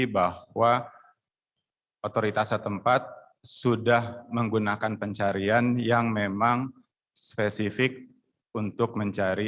bahwa otoritas setempat sudah menggunakan pencarian yang memang spesifik untuk mencari